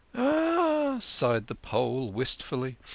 " Ah !" sighed the Pole wistfully.